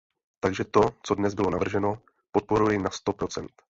Takže to, co dnes bylo navrženo, podporuji na sto procent.